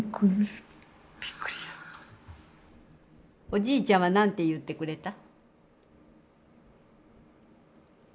おじいちゃんは何て言ってくれた？